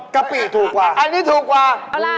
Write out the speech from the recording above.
กะปิถูกกว่า